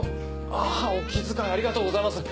あぁお気遣いありがとうございます。